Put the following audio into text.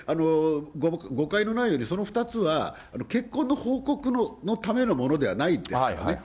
誤解のないように、その２つは、結婚の報告のためのものではないんですけどね。